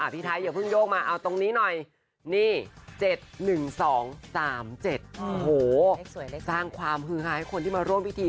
พี่ไทยอย่าเพิ่งโยกมาเอาตรงนี้หน่อยนี่๗๑๒๓๗โอ้โหสร้างความฮือฮาให้คนที่มาร่วมพิธี